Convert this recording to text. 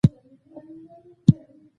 نن سبا ځيره کېميا بوټی شوې ده.